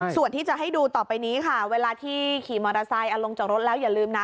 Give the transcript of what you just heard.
ส่วนที่จะให้ดูต่อไปนี้ค่ะเวลาที่ขี่มอเตอร์ไซค์ลงจากรถแล้วอย่าลืมนะ